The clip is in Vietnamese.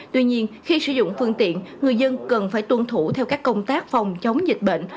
tuy nhiên khi sử dụng phương tiện người dân cần phải tuân thủ theo các công tác phòng chống dịch bệnh